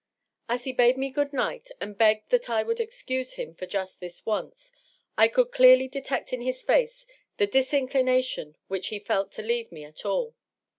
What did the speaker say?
As he bade me good night and begged tihat I would excuse him for just this once, I could clearly detect in his face the dis inclination whicm he felt to leave me at all.